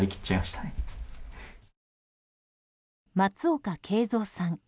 松岡敬三さん。